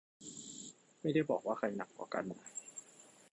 ไม่ได้บอกว่าใครหนักกว่ากันนะ